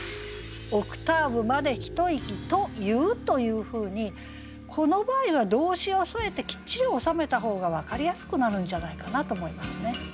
「『オクターブまでひと息』と言う」というふうにこの場合は動詞を添えてきっちり収めた方が分かりやすくなるんじゃないかなと思いますね。